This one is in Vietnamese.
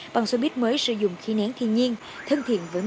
bằng xô buýt mới sử dụng khí nén thiên nhiên